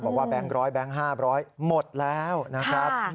บอกว่าแบงค์ร้อยแบงค์ห้าร้อยหมดแล้วนะครับ